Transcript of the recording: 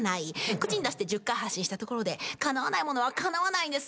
口に出して１０回発信したところでかなわないものはかなわないんです。